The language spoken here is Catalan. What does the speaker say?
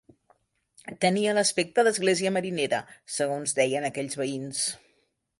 Tenia l'aspecte d'església marinera, segons deien aquells veïns.